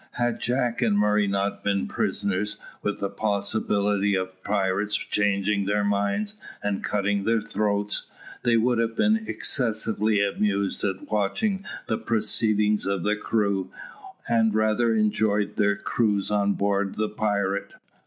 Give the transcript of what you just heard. Had Jack and Murray not been prisoners, with the possibility of the pirates changing their minds and cutting their throats, they would have been excessively amused at watching the proceedings of the crew, and rather enjoyed their cruise on board the pirate.